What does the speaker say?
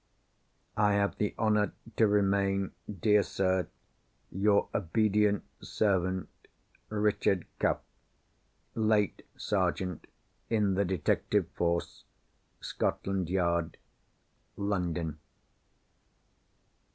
I have the honour to remain, dear sir, your obedient servant, RICHARD CUFF (late sergeant in the Detective Force, Scotland Yard, London).